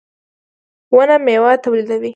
• ونه مېوه تولیدوي.